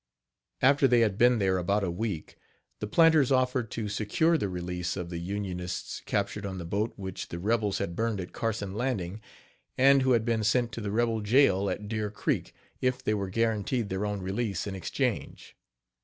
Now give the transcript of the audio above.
After they had been there about a week, the planters offered to secure the release of the Unionists captured on the boat which the rebels had burned at Carson Landing, and who had been sent to the rebel jail at Deer Creek, if they were guaranteed their own release in exchange.